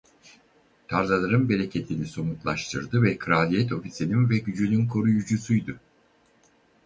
Tarlaların bereketini somutlaştırdı ve kraliyet ofisinin ve gücünün koruyucusuydu.